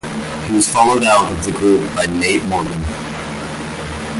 He was followed out of the group by Nate Morgan.